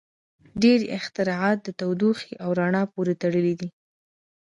• ډېری اختراعات د تودوخې او رڼا پورې تړلي دي.